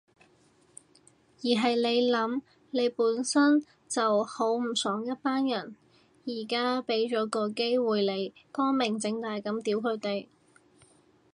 而係你諗，你本身就好唔爽一班人，而家畀咗個機會你光明正大噉屌佢哋